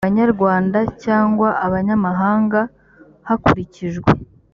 banyarwanda cyangwa abanyamahanga hakurikijwe